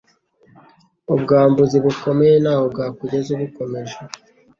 Ubwambuzi bukomeye ntaho bwakugeza ubukomeje